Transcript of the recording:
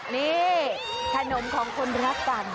นี่ขนมของคนรักกัน